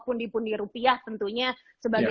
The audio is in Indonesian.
pundi pundi rupiah tentunya sebagai